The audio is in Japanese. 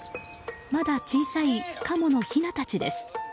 まだ小さいカモのひなたちです。